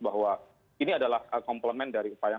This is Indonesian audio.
bahwa ini adalah komplemen dari upaya